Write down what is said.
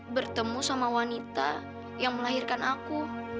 bertemu sama wanita yang melahirkan aku